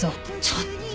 ちょっと。